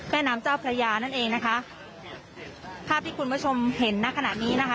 แม่น้ำเจ้าพระยานั่นเองนะคะภาพที่คุณผู้ชมเห็นณขณะนี้นะคะ